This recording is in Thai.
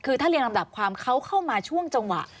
คือถ้าเรียงลำดับความเขาเข้ามาช่วงจังหวะ